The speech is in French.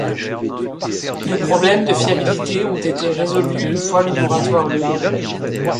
Les problèmes de fiabilité ont été résolus une fois le moratoire levé.